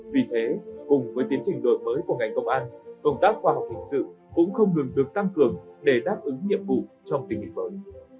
vì thế cùng với tiến trình đổi mới của ngành công an công tác khoa học hình sự cũng không ngừng được tăng cường để đáp ứng nhiệm vụ trong tình hình mới